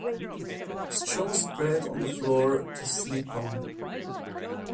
Straw was spread on the floor to sleep on.